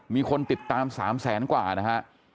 มีคนติดตาม๓แสนกว่านะฮะ